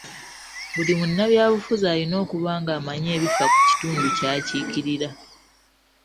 Buli munnabyabufuzi alina okuba ng'amanyi ebifa ku kitundu ky'akiikirira.